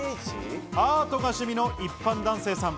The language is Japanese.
アートが趣味の一般男性さん。